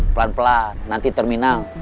pelan pelan nanti terminal